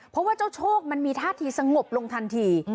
เพราะว่าเจ้าโชคมันมีท่าทีสงบลงทันที